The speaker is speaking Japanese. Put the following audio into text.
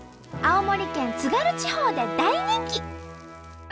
青森県津軽地方で大人気！